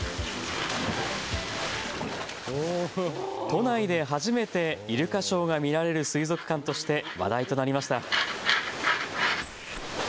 都内で初めてイルカショーが見られる水族館として話題となりました。